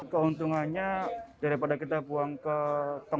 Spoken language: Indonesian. keuntungannya daripada kita buang ke tempat